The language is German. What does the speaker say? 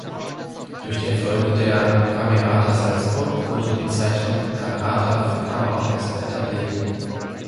Durch die Erfolge der Camerata Salzburg wurde die Bezeichnung „Camerata“ für Kammerorchester etabliert.